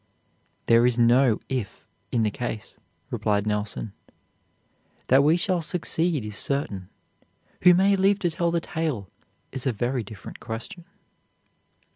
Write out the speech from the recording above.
"There is no if in the case," replied Nelson. "That we shall succeed is certain. Who may live to tell the tale is a very different question."